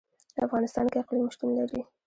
په افغانستان کې اقلیم شتون لري.